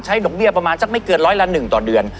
ใช้หนกเบี้ยประมาณสักไม่เกิน๑๐๐ล้านหนึ่งต่อเดือน